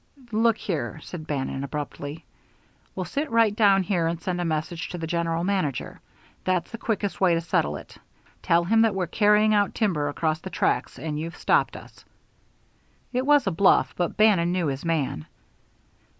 "Look here," said Bannon, abruptly. "We'll sit right down here and send a message to the general manager. That's the quickest way to settle it tell him that we're carrying out timber across the tracks and you've stopped us." It was a bluff, but Bannon knew his man.